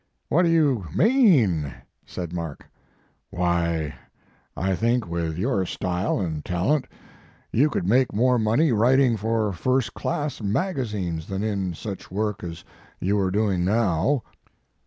"V/hat do you mean?" said Mark. "Why, I think with your style and talent you could make more money writing for first class magazines than in such work as you are doing now."